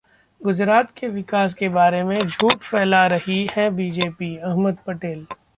गुजरात के विकास के बारे में झूठ फैला रही है बीजेपी: अहमद पटेल